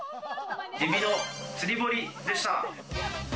エビの釣り堀でした。